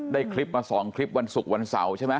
ได้คลิปมา๒คลิปวันศุกร์วันเสาร์ใช่ไหม